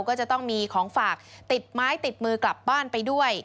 ก็จะต้องมีของฝากติดไม้ติดมือกลับบ้านไปด้วย